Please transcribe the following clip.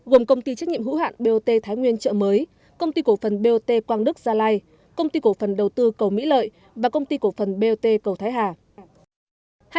gồm công ty trách nhiệm hữu hạn bot thái nguyên chợ mới công ty cổ phần bot quang đức gia lai công ty cổ phần đầu tư cầu mỹ lợi và công ty cổ phần bot cầu thái hà